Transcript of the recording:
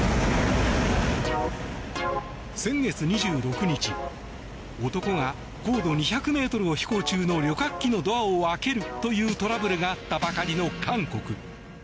先月２６日、男が高度２００ｍを飛行中の旅客機のドアを開けるというトラブルがあったばかりの韓国。